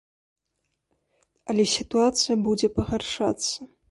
Але сітуацыя будзе пагаршацца.